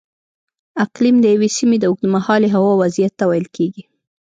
اقلیم د یوې سیمې د اوږدمهالې هوا وضعیت ته ویل کېږي.